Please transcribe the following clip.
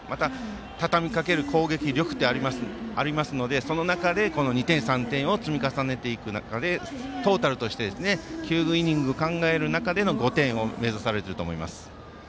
たたみかける攻撃力でありますのでその中で２点、３点を積み重ねていく中でトータルとして９イニング考える中での５点を目指されていると思います。